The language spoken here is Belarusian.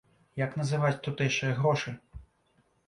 Як называць тутэйшыя грошы?